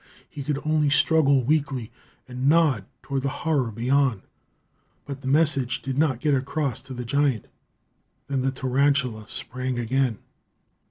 He could only struggle weakly and nod toward the horror beyond; but the message did not get across to the giant. Then the tarantula sprang again.